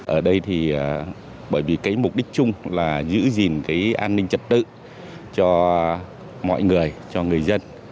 ở đây thì bởi vì cái mục đích chung là giữ gìn cái an ninh trật tự cho mọi người cho người dân